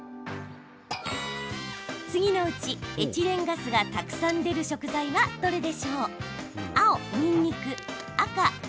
次のうちエチレンガスがたくさん出る食材はどれでしょう？